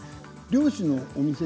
漁師のお店？